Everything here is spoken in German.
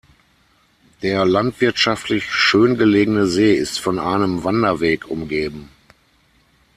Der landschaftlich schön gelegene See ist von einem Wanderweg umgeben.